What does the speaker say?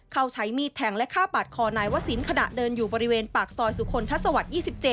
เขาใช้มีดแทงและฆ่าปาดคอนายวศิลปขณะเดินอยู่บริเวณปากซอยสุคลทัศวรรค๒๗